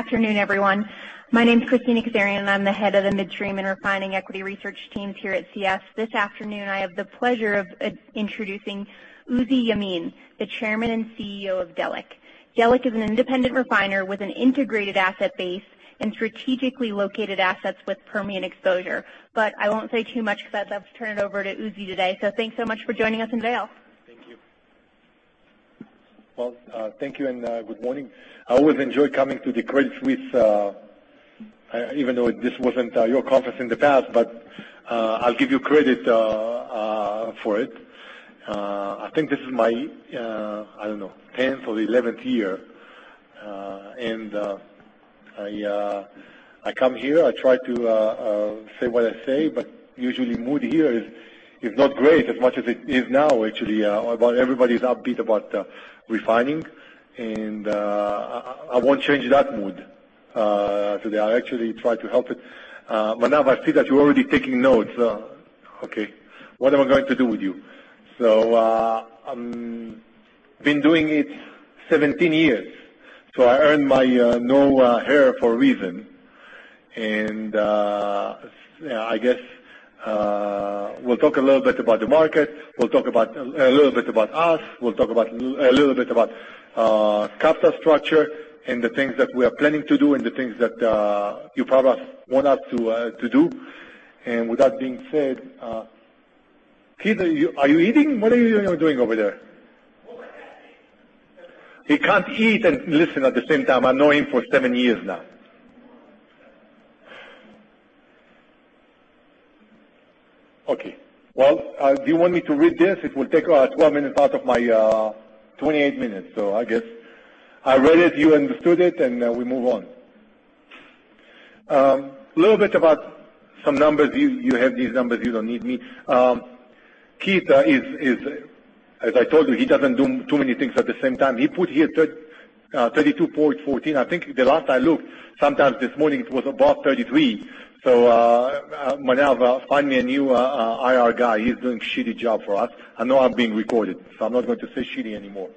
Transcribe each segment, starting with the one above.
Afternoon, everyone. My name is Kristina Kazarian, and I'm the head of the Midstream and Refining Equity Research teams here at CS. This afternoon, I have the pleasure of introducing Uzi Yemin, the Chairman and CEO of Delek. Delek is an independent refiner with an integrated asset base and strategically located assets with Permian exposure. I won't say too much because I'd love to turn it over to Uzi today. So thanks so much for joining us in Vail. Thank you. Well, thank you and good morning. I always enjoy coming to the Credit Suisse, even though this wasn't your conference in the past, but I'll give you credit for it. I think this is my, I don't know, 10th or 11th year. I come here, I try to say what I say, but usually mood here is not great as much as it is now, actually. Everybody's upbeat about refining, and I won't change that mood today. I actually try to help it. Now I see that you're already taking notes. Okay, what am I going to do with you? I've been doing it 17 years, so I earned my no hair for a reason. I guess we'll talk a little bit about the market. We'll talk a little bit about us. We'll talk a little bit about capital structure and the things that we are planning to do and the things that you probably want us to do. With that being said, Keith, are you eating? What are you doing over there? He can't eat and listen at the same time. I know him for 7 years now. Okay. Do you want me to read this? It will take 12 minutes out of my 28 minutes. I guess I read it, you understood it, and we move on. A little bit about some numbers. You have these numbers, you don't need me. Keith, as I told you, he doesn't do too many things at the same time. He put here 32.14. I think the last I looked, sometimes this morning, it was above 33. So, Manav, find me a new IR guy. He's doing a shitty job for us. I know I'm being recorded, so I'm not going to say shitty anymore.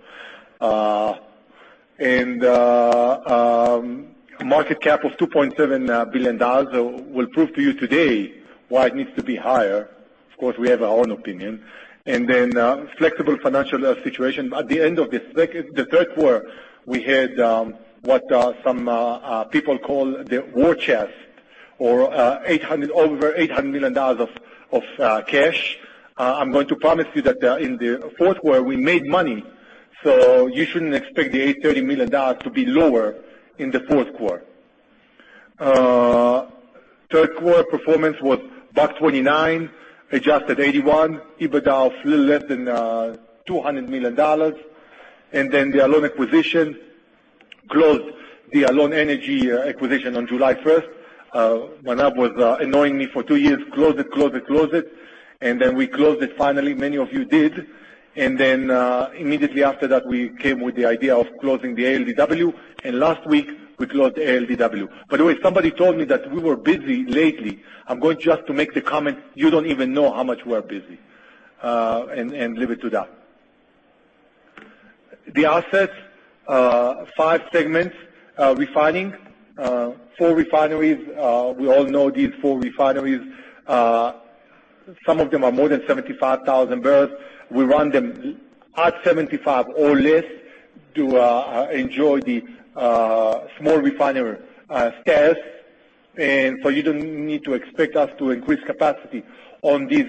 Market cap of $2.7 billion. We'll prove to you today why it needs to be higher. Of course, we have our own opinion. Then flexible financial situation. At the end of the third quarter, we had what some people call the war chest or over $800 million of cash. I'm going to promise you that in the fourth quarter, we made money, so you shouldn't expect the $830 million to be lower in the fourth quarter. Third quarter performance was $1.29, adjusted $0.81. EBITDA was a little less than $200 million. Then the Alon acquisition closed the Alon Energy acquisition on July 1st. Manav was annoying me for 2 years. Close it." We closed it finally, many of you did. Immediately after that, we came with the idea of closing the ALDW, last week we closed the ALDW. By the way, somebody told me that we were busy lately. I'm going just to make the comment, you don't even know how much we're busy, and leave it to that. The assets, 5 segments. Refining, 4 refineries. We all know these 4 refineries. Some of them are more than 75,000 barrels. We run them at 75 or less to enjoy the small refinery exemptions. You don't need to expect us to increase capacity on these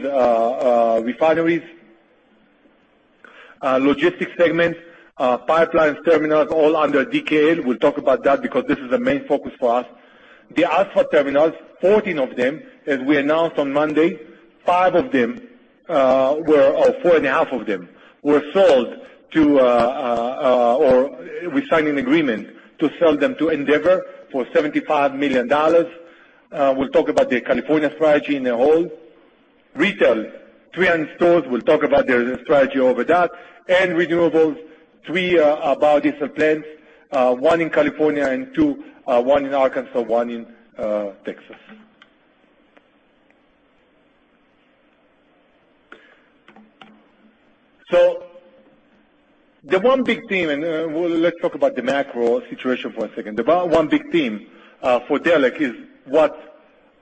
refineries. Logistics segment. Pipelines, terminals, all under DKL. We'll talk about that because this is the main focus for us. The asphalt terminals, 14 of them, as we announced on Monday, 5 of them, or 4 and a half of them, we signed an agreement to sell them to Andeavor for $75 million. We'll talk about the California strategy in a whole. Retail, 300 stores. We'll talk about the strategy over that. Renewables, 3 biodiesel plants, one in California and two, one in Arkansas, one in Texas. The one big theme, let's talk about the macro situation for a second. The one big theme for Delek is what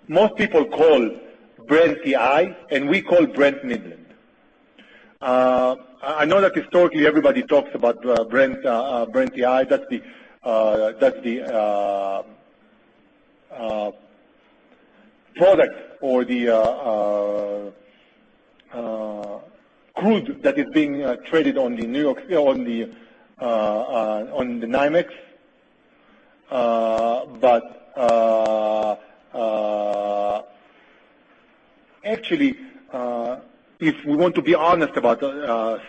most people call Brent-WTI, and we call Brent Midland. I know that historically, everybody talks about Brent-WTI. That's the product or the crude that is being traded on the NYMEX. Actually, if we want to be honest about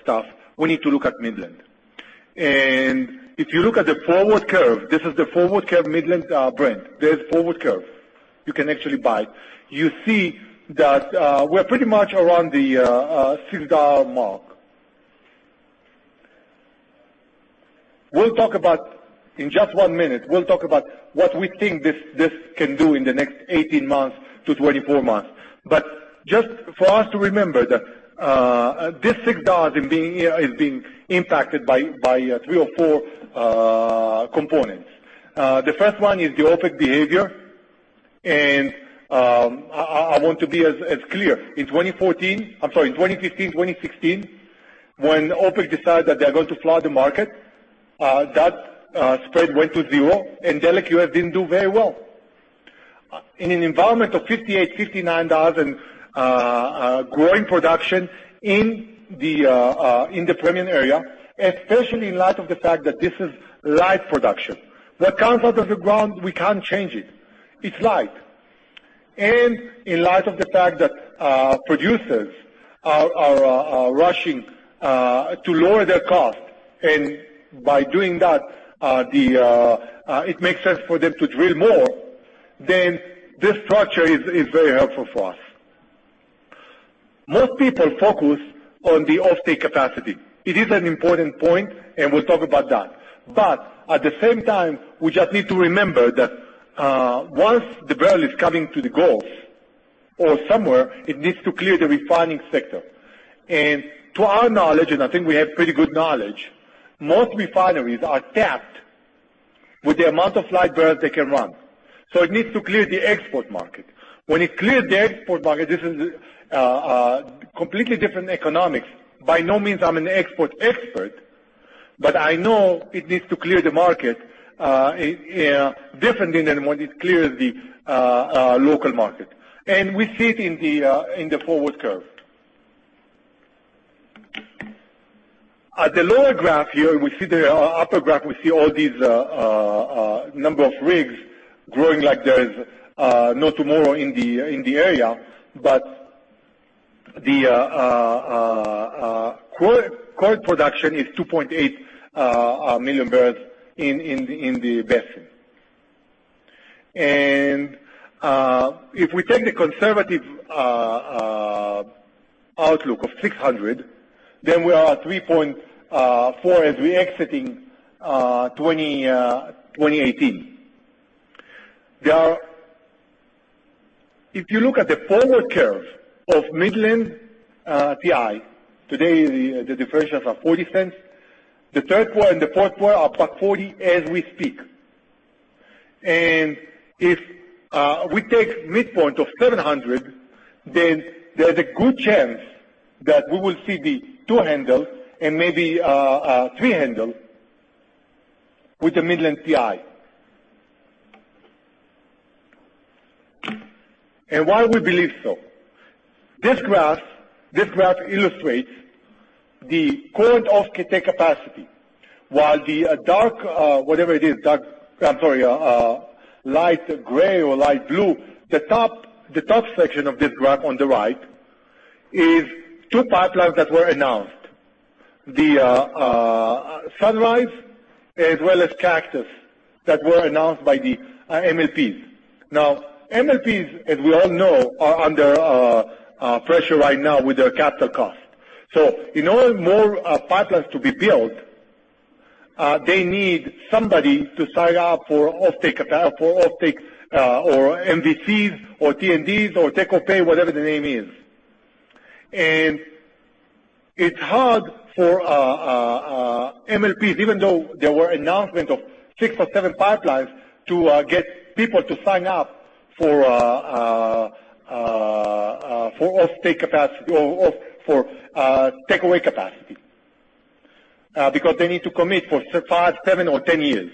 stuff, we need to look at Midland. If you look at the forward curve, this is the forward curve Midland Brent. There's forward curve you can actually buy. You see that we're pretty much around the $60 mark. In just 1 minute, we'll talk about what we think this can do in the next 18 months to 24 months. Just for us to remember that this $6 is being impacted by 3 or 4 components. The first one is the OPEC behavior. I want to be as clear. In 2015, 2016, when OPEC decided that they're going to flood the market, that spread went to zero, Delek US didn't do very well. In an environment of $58, $59 and growing production in the Permian area, especially in light of the fact that this is light production. What comes out of the ground, we can't change it. It's light. In light of the fact that producers are rushing to lower their cost, and by doing that, it makes sense for them to drill more, then this structure is very helpful for us. Most people focus on the offtake capacity. It is an important point, and we'll talk about that. At the same time, we just need to remember that once the barrel is coming to the Gulf or somewhere, it needs to clear the refining sector. To our knowledge, and I think we have pretty good knowledge, most refineries are tapped with the amount of light barrels they can run. It needs to clear the export market. When it clears the export market, this is completely different economics. By no means I'm an export expert, but I know it needs to clear the market differently than when it clears the local market. We see it in the forward curve. At the lower graph here, we see the upper graph, we see all these number of rigs growing like there's no tomorrow in the area. The current production is 2.8 million barrels in the basin. If we take the conservative outlook of 600, then we are at 3.4 as we exiting 2018. If you look at the forward curve of Midland-WTI, today the differences are $0.40. The third quarter and the fourth quarter are above $0.40 as we speak. If we take midpoint of 700, then there's a good chance that we will see the two handle and maybe three handle with the Midland-WTI. Why we believe so? This graph illustrates the current offtake capacity, while the light gray or light blue, the top section of this graph on the right is two pipelines that were announced. The Sunrise as well as Cactus that were announced by the MLPs. MLPs, as we all know, are under pressure right now with their capital cost. In order more pipelines to be built, they need somebody to sign up for offtake, or MVCs, or T&Ds or take or pay, whatever the name is. It's hard for MLPs, even though there were announcement of six or seven pipelines, to get people to sign up for takeaway capacity because they need to commit for five, seven or 10 years.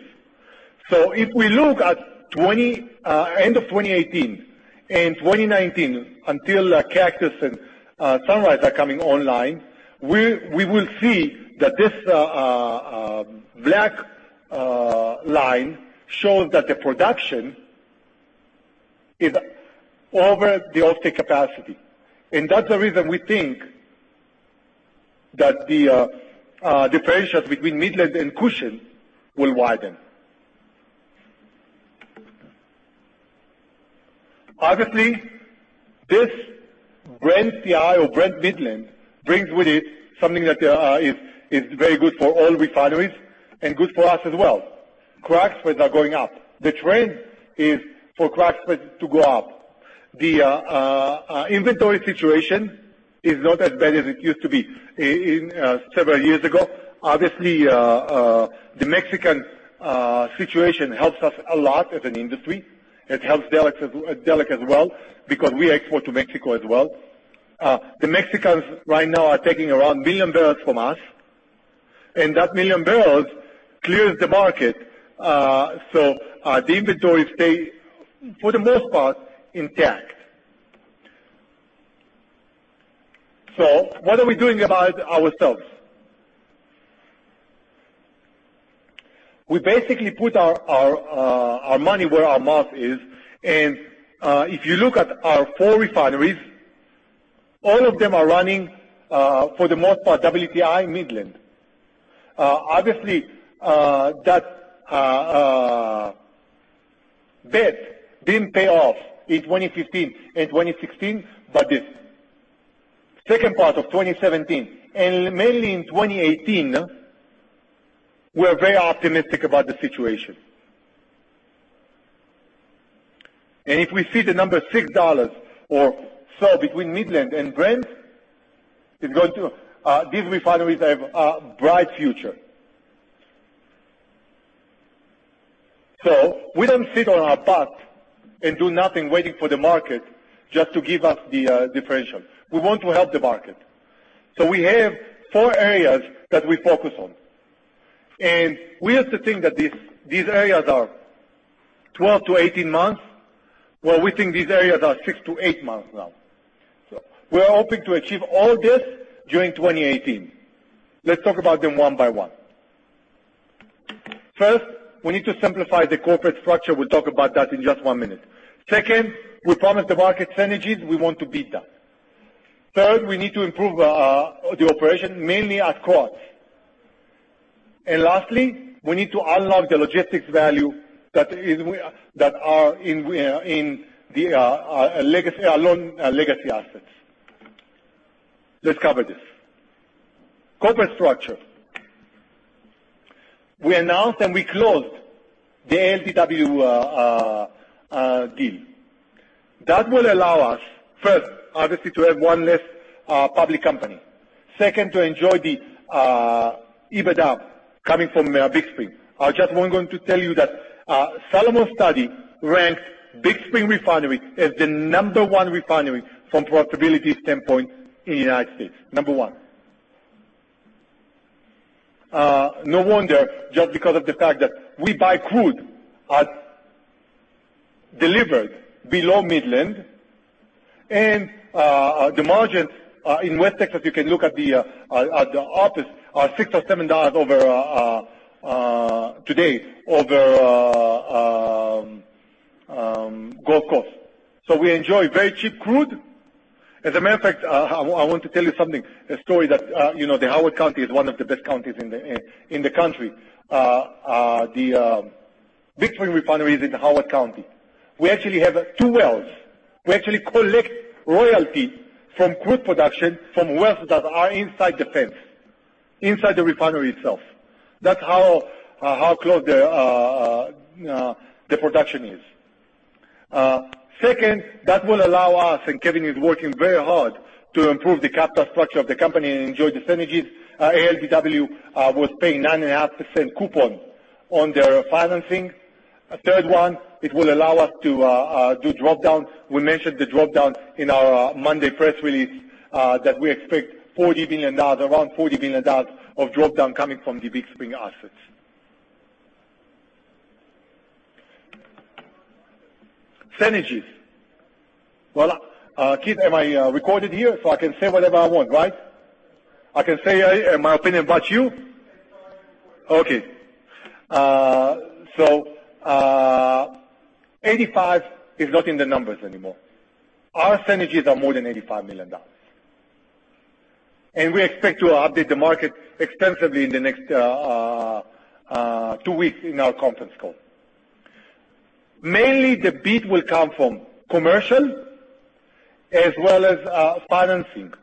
If we look at end of 2018 and 2019 until Cactus and Sunrise are coming online, we will see that this black line shows that the production is over the offtake capacity. That's the reason we think that the difference between Midland and Cushing will widen. Obviously, this Brent-WTI or Brent Midland brings with it something that is very good for all refineries and good for us as well. Crack spreads are going up. The trend is for crack spreads to go up. The inventory situation is not as bad as it used to be several years ago. Obviously, the Mexican situation helps us a lot as an industry. It helps Delek as well because we export to Mexico as well. The Mexicans right now are taking around 1 million barrels from us, and that 1 million barrels clears the market. The inventories stay, for the most part, intact. What are we doing about ourselves? We basically put our money where our mouth is, and if you look at our four refineries, all of them are running, for the most part, WTI Midland. Obviously, that bet didn't pay off in 2015 and 2016, but this second part of 2017 and mainly in 2018 We're very optimistic about the situation. If we see the number $6 or so between Midland and Brent, these refineries have a bright future. We don't sit on our butts and do nothing, waiting for the market just to give us the differential. We want to help the market. We have four areas that we focus on, and we used to think that these areas are 12 to 18 months. Well, we think these areas are six to eight months now. We are hoping to achieve all this during 2018. Let's talk about them one by one. First, we need to simplify the corporate structure. We'll talk about that in just one minute. Second, we promised the market synergies. We want to beat that. Third, we need to improve the operation, mainly at Krotz Springs. Lastly, we need to unlock the logistics value that are in our legacy assets. Let's cover this. Corporate structure. We announced, we closed the ALDW deal. That will allow us, first, obviously, to have one less public company. Second, to enjoy the EBITDA coming from Big Spring. I just want to tell you that Solomon Study ranks Big Spring Refinery as the number one refinery from profitability standpoint in the United States. Number one. No wonder, just because of the fact that we buy crude at delivered below WTI Midland, and the margins in West Texas, you can look at the offers, are $6 or $7 today over Gulf Coast. We enjoy very cheap crude. As a matter of fact, I want to tell you something, a story that the Howard County is one of the best counties in the country. The Big Spring Refinery is in Howard County. We actually have two wells. We actually collect royalty from crude production from wells that are inside the fence, inside the refinery itself. That's how close the production is. Second, that will allow us, Kevin is working very hard to improve the capital structure of the company and enjoy the synergies. ALDW was paying 9.5% coupon on their financing. A third one, it will allow us to do drop-down. We mentioned the drop-down in our Monday press release that we expect $40 million, around $40 million of drop-down coming from the Big Spring assets. Synergies. Keith, am I recorded here so I can say whatever I want, right? I can say my opinion about you? Yes. It's recording. 85 is not in the numbers anymore. Our synergies are more than $85 million. We expect to update the market extensively in the next two weeks in our conference call. Mainly, the beat will come from commercial as well as financing.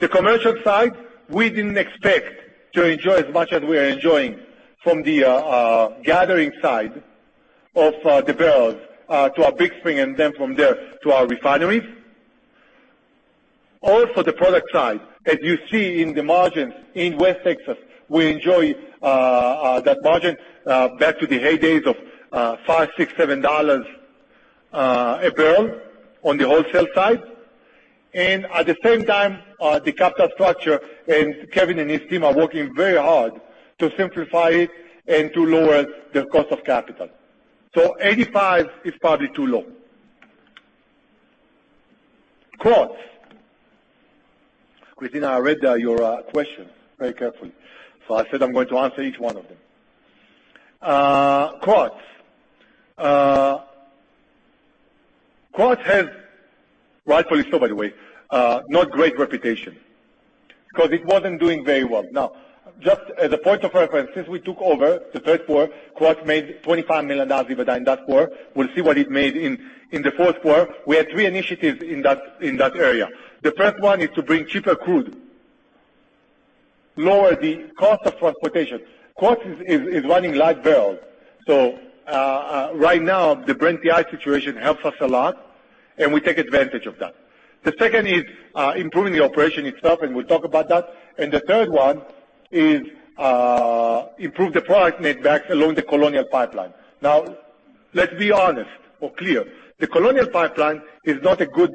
The commercial side, we didn't expect to enjoy as much as we are enjoying from the gathering side of the barrels to our Big Spring and then from there to our refineries. Also, the product side, as you see in the margins in West Texas, we enjoy that margin back to the heydays of $5, $6, $7 a barrel on the wholesale side. At the same time, the capital structure, Kevin and his team are working very hard to simplify it and to lower the cost of capital. 85 is probably too low. Krotz Springs. Kristina Kazarian, I read your question very carefully. I said I'm going to answer each one of them. Krotz Springs. Krotz Springs has, rightfully so, by the way, not great reputation because it wasn't doing very well. Just as a point of reference, since we took over the third quarter, Krotz Springs made $25 million EBITDA in that quarter. We'll see what it made in the fourth quarter. We had three initiatives in that area. The first one is to bring cheaper crude, lower the cost of transportation. Krotz Springs is running light barrels. Right now, the Brent Midland situation helps us a lot, and we take advantage of that. The second is improving the operation itself, and we'll talk about that. The third one is improve the product netback along the Colonial Pipeline. Let's be honest or clear. The Colonial Pipeline is not a good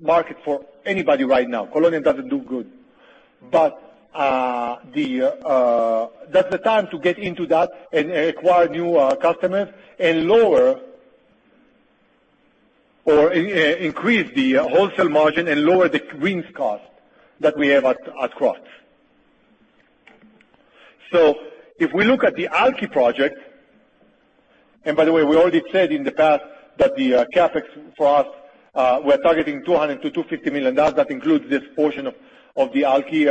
market for anybody right now. Colonial doesn't do good. That's the time to get into that and acquire new customers and lower or increase the wholesale margin and lower the RINs cost that we have at Krotz Springs. If we look at the Alky project, and by the way, we already said in the past that the CapEx for us, we're targeting $200 million-$250 million. That includes this portion of the Alky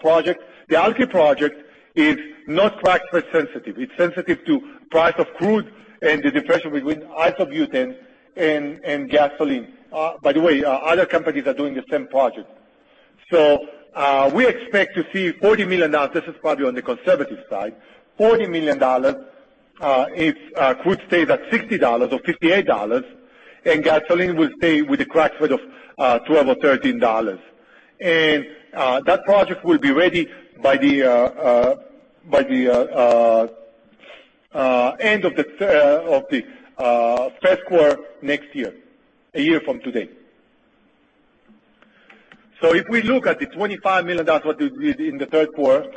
project. The Alky project is not crack spread sensitive. It's sensitive to price of crude and the depression between isobutane and gasoline. By the way, other companies are doing the same project. We expect to see $40 million. This is probably on the conservative side, $40 million, if crude stays at $60 or $58, and gasoline will stay with the crack spread of $12 or $13. That project will be ready by the end of the first quarter next year, a year from today. If we look at the $25 million, what we did in the third quarter,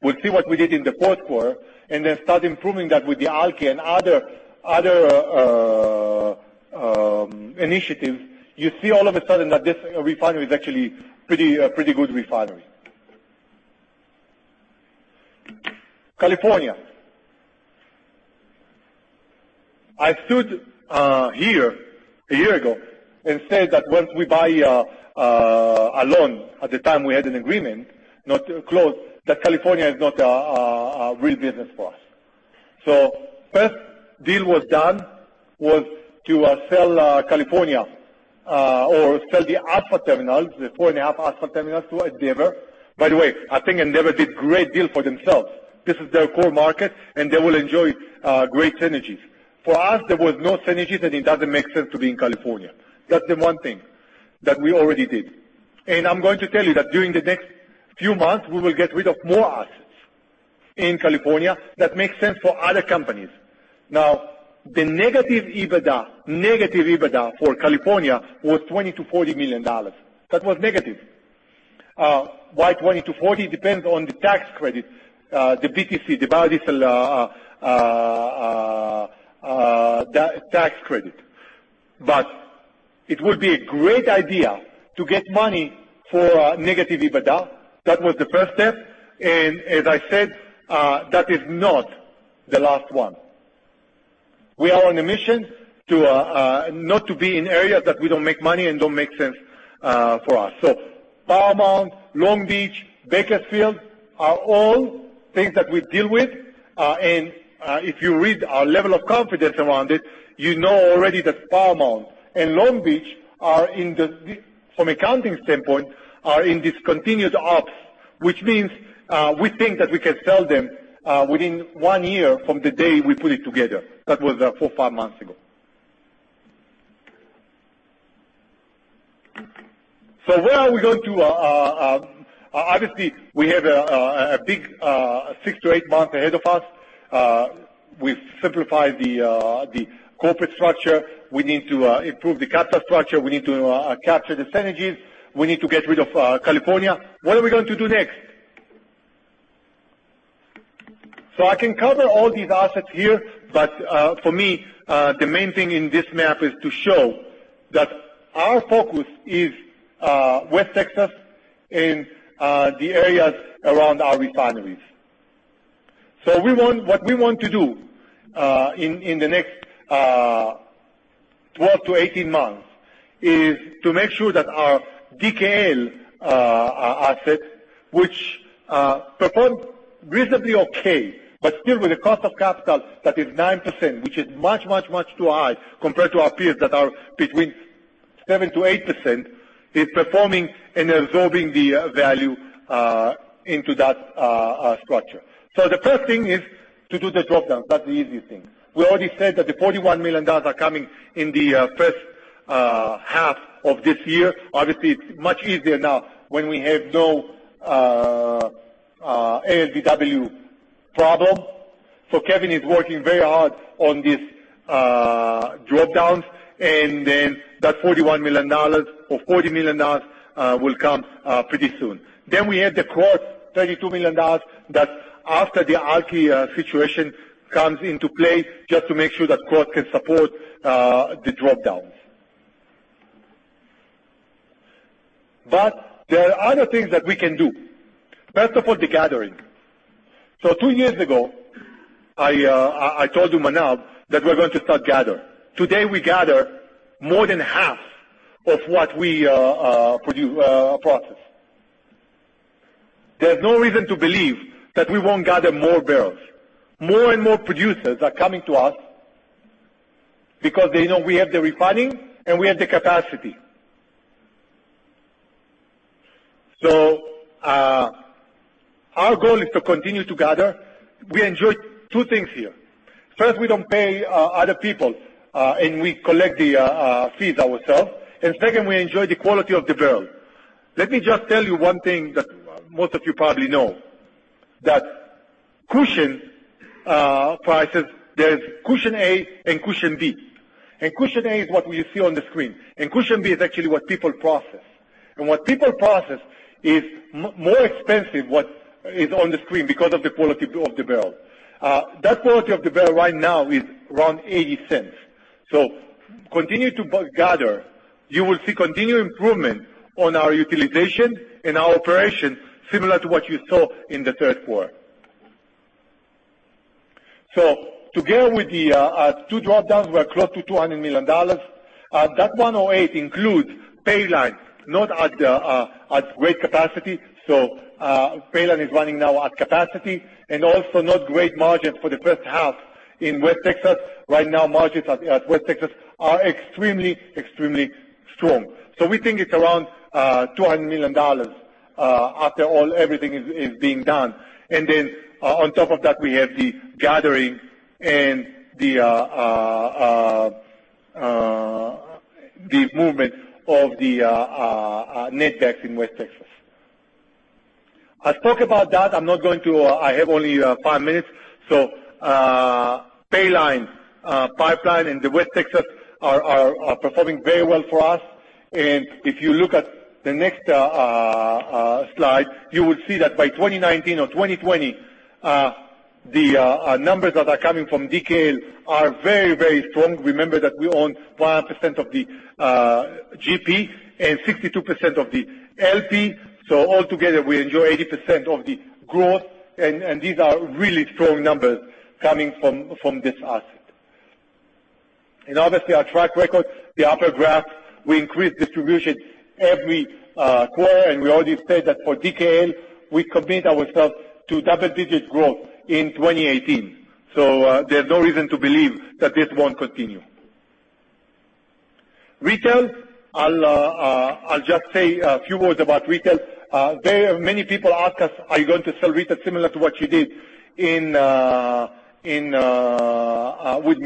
we'll see what we did in the fourth quarter and then start improving that with the Alky and other initiatives. You see all of a sudden that this refinery is actually a pretty good refinery. California. I stood here a year ago and said that once we buy Alon, at the time we had an agreement, not closed, that California is not a real business for us. First deal was done was to sell California or sell the asphalt terminals, the four and a half asphalt terminals to Andeavor. By the way, I think Andeavor did great deal for themselves. This is their core market, and they will enjoy great synergies. For us, there was no synergies, and it doesn't make sense to be in California. That's the one thing that we already did. I'm going to tell you that during the next few months, we will get rid of more assets in California that makes sense for other companies. The negative EBITDA for California was $20 million-$40 million. That was negative. Why $20 million-$40 million? Depends on the tax credit, the BTC, the biodiesel tax credit. It would be a great idea to get money for negative EBITDA. That was the first step, as I said, that is not the last one. We are on a mission not to be in areas that we don't make money and don't make sense for us. Paramount, Long Beach, Bakersfield are all things that we deal with. If you read our level of confidence around it, you know already that Paramount and Long Beach, from accounting standpoint, are in discontinued ops, which means we think that we can sell them within one year from the day we put it together. That was four, five months ago. Obviously, we have a big six to eight months ahead of us. We've simplified the corporate structure. We need to improve the capital structure. We need to capture the synergies. We need to get rid of California. What are we going to do next? I can cover all these assets here, but for me, the main thing in this map is to show that our focus is West Texas and the areas around our refineries. What we want to do in the next 12-18 months is to make sure that our DKL asset, which performed reasonably okay, but still with a cost of capital that is 9%, which is much, much, much too high compared to our peers that are between 7%-8%, is performing and absorbing the value into that structure. The first thing is to do the drop-downs. That's the easy thing. We already said that the $41 million are coming in the first half of this year. Obviously, it's much easier now when we have no ALDW problem. Kevin is working very hard on these drop-downs, and then that $41 million or $40 million will come pretty soon. We have the cross, $32 million that after the Alky situation comes into play, just to make sure that cross can support the drop-downs. There are other things that we can do. First of all, the gathering. Two years ago, I told you, Manav, that we're going to start gather. Today, we gather more than half of what we process. There's no reason to believe that we won't gather more barrels. More and more producers are coming to us because they know we have the refining, and we have the capacity. Our goal is to continue to gather. We enjoy two things here. First, we don't pay other people, and we collect the fees ourselves. Second, we enjoy the quality of the barrel. Let me just tell you one thing that most of you probably know, that Cushing prices, there's Cushing A and Cushing B. Cushing A is what we see on the screen. Cushing B is actually what people process. What people process is more expensive what is on the screen because of the quality of the barrel. That quality of the barrel right now is around $0.80. Continue to gather. You will see continued improvement on our utilization and our operation similar to what you saw in the third quarter. Together with the two drop-downs, we're close to $200 million. That $108 includes Paline, not at great capacity. Paline is running now at capacity and also not great margins for the first half in West Texas. Right now, margins at West Texas are extremely strong. We think it's around $200 million. After all, everything is being done. On top of that, we have the gathering and the movement of the netbacks in West Texas. I spoke about that. I have only 5 minutes. Paline Pipeline in the West Texas are performing very well for us. If you look at the next slide, you will see that by 2019 or 2020, the numbers that are coming from DKL are very strong. Remember that we own 100% of the GP and 62% of the LP, altogether we enjoy 80% of the growth, these are really strong numbers coming from this asset. Our track record, the upper graph, we increase distribution every quarter, we already said that for DKL, we commit ourselves to double-digit growth in 2018. There's no reason to believe that this won't continue. Retail, I'll just say a few words about retail. Many people ask us, "Are you going to sell retail similar to what you did with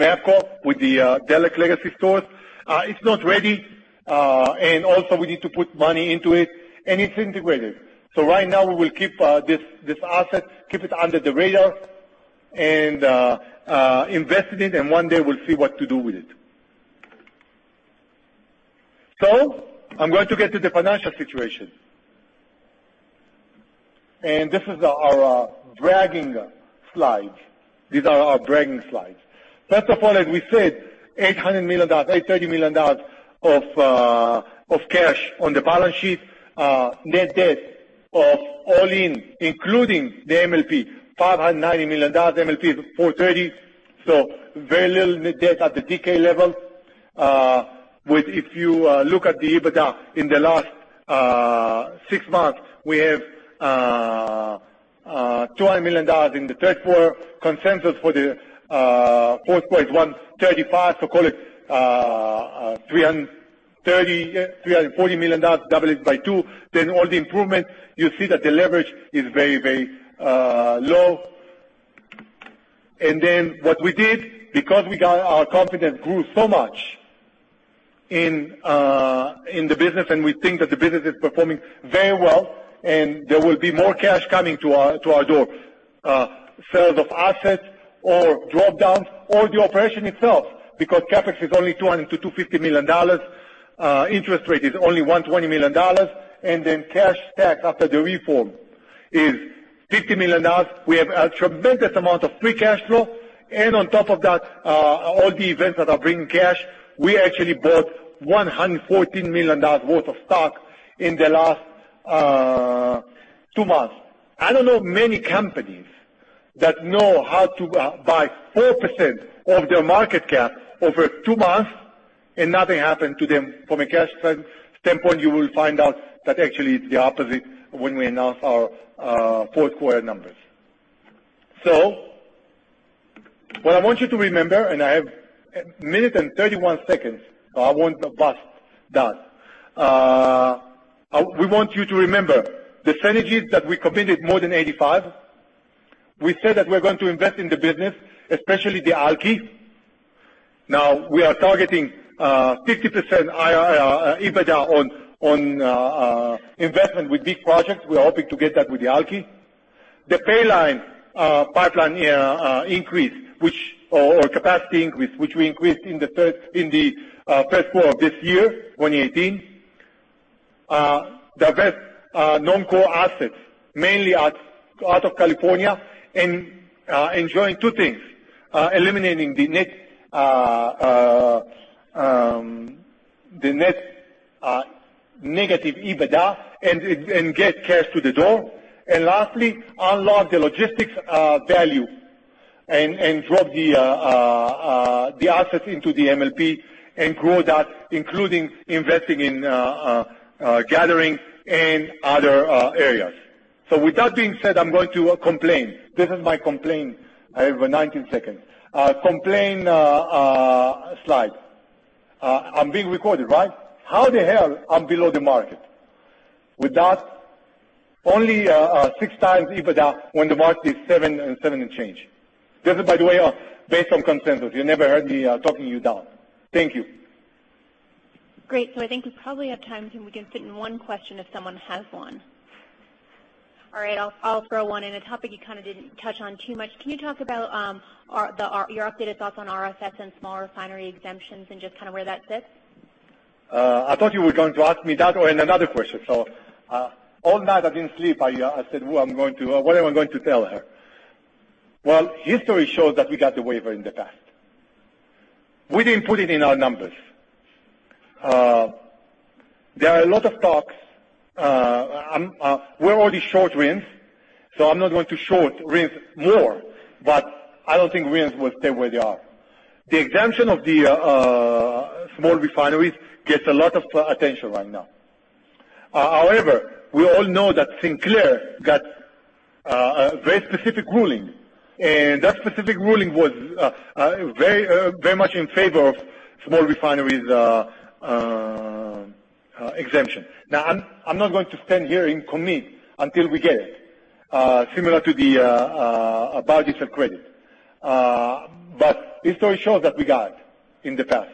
MAPCO, with the Delek legacy stores?" It's not ready, we need to put money into it's integrated. Right now we will keep this asset, keep it under the radar, invest in it, one day we'll see what to do with it. I'm going to get to the financial situation. This is our bragging slide. These are our bragging slides. First of all, as we said, $830 million of cash on the balance sheet. Net debt of all in, including the MLP, $590 million, MLP is $430, very little net debt at the DKL level. If you look at the EBITDA in the last 6 months, we have $200 million in the third quarter. Consensus for the fourth quarter is $135, call it $340 million, double it by two, all the improvements, you see that the leverage is very low. What we did, because our confidence grew so much in the business, we think that the business is performing very well, there will be more cash coming to our door. Sales of assets or drop-downs or the operation itself, because CapEx is only $200 million to $250 million. Interest rate is only $120 million, cash tax after the reform is $50 million. We have a tremendous amount of free cash flow, on top of that, all the events that are bringing cash, we actually bought $114 million worth of stock in the last 2 months. I don't know many companies that know how to buy 4% of their market cap over two months, and nothing happened to them from a cash standpoint. You will find out that actually it's the opposite when we announce our fourth-quarter numbers. What I want you to remember, and I have 1 minute and 31 seconds, I won't bust that. We want you to remember the synergies that we committed more than 85. We said that we're going to invest in the business, especially the Alky. Now, we are targeting 50% higher EBITDA on investment with big projects. We are hoping to get that with the Alky. The Paline Pipeline capacity increase, which we increased in the first quarter of this year, 2018. Divest non-core assets, mainly out of California, and enjoying two things, eliminating the net negative EBITDA and get cash to the door. Lastly, unlock the logistics value and drop the assets into the MLP and grow that, including investing in gathering and other areas. With that being said, I'm going to complain. This is my complaint. I have 19 seconds. Complaint slide. I'm being recorded, right? How the hell I'm below the market with that only six times EBITDA when the market is seven and change? This is, by the way, based on consensus. You never heard me talking you down. Thank you. Great. I think we probably have time, and we can fit in one question if someone has one. All right. I'll throw one in. A topic you kind of didn't touch on too much. Can you talk about your updated thoughts on RFS and small refinery exemptions and just kind of where that sits? I thought you were going to ask me that or in another question. All night I didn't sleep. I said, "What am I going to tell her?" Well, history shows that we got the waiver in the past. We didn't put it in our numbers. There are a lot of talks. We're already short RINs, so I'm not going to short RINs more, but I don't think RINs will stay where they are. The exemption of the small refineries gets a lot of attention right now. However, we all know that Sinclair got a very specific ruling, and that specific ruling was very much in favor of small refineries exemption. Now, I'm not going to stand here and commit until we get it, similar to the biodiesel credit. History shows that we got it in the past.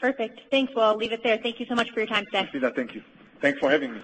Perfect. Thanks. Well, I'll leave it there. Thank you so much for your time today. Kristina, thank you. Thanks for having me.